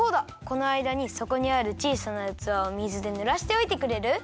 このあいだにそこにあるちいさなうつわを水でぬらしておいてくれる？